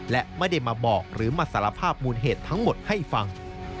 และไม่ได้มาบอกหรือมาสารภาพมูลเหตุทั้งหมดให้ฟัง